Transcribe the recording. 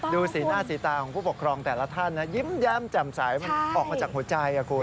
สีหน้าสีตาของผู้ปกครองแต่ละท่านนะยิ้มแย้มแจ่มใสมันออกมาจากหัวใจคุณ